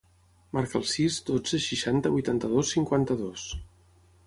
Marca el sis, dotze, seixanta, vuitanta-dos, cinquanta-dos.